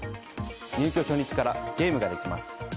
入居初日からゲームができます。